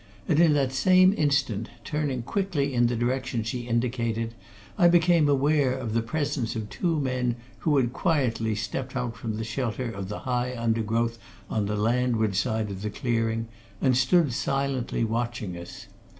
And in that same instant, turning quickly in the direction she indicated, I became aware of the presence of two men who had quietly stepped out from the shelter of the high undergrowth on the landward side of the clearing and stood silently watching us.